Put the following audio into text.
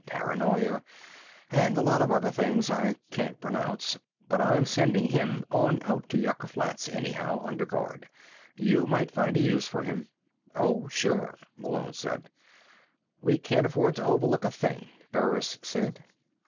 Paranoia. And a lot of other things I can't pronounce. But I'm sending him on out to Yucca Flats anyhow, under guard. You might find a use for him." "Oh, sure," Malone said. "We can't afford to overlook a thing," Burris said.